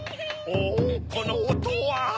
おぉこのおとは。